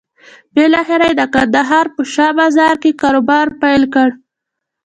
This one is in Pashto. بالاخره یې د کندهار په شا بازار کې کاروبار پيل کړ.